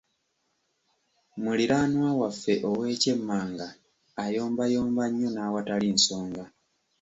Muliraanwa waffe ow’ekyemmanga ayombayomba nnyo n’awatali nsonga.